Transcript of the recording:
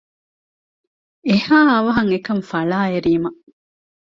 އެހާ އަވަހަށް އެކަން ފަޅާއެރީމަ